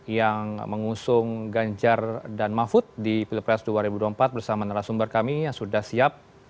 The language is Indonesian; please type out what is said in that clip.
yang mengusung ganjar dan mahfud di pilpres dua ribu dua puluh empat bersama narasumber kami yang sudah siap